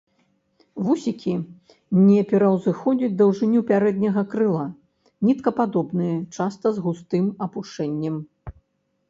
Вусікі не пераўзыходзяць даўжыню пярэдняга крыла, ніткападобныя, часта з густым апушэннем.